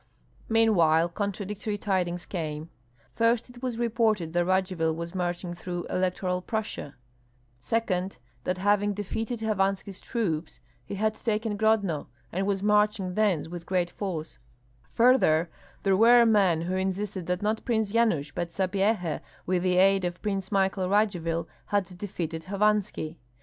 Meanwhile contradictory tidings came. First it was reported that Radzivill was marching through Electoral Prussia; second, that having defeated Hovanski's troops, he had taken Grodno and was marching thence with great force; further, there were men who insisted that not Prince Yanush, but Sapyeha, with the aid of Prince Michael Radzivill, had defeated Hovanski.